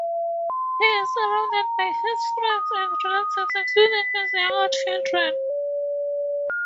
He is surrounded by his friends and relatives, including his younger children.